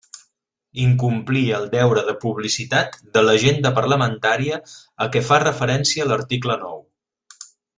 Incomplir el deure de publicitat de l'agenda parlamentària a què fa referència l'article nou.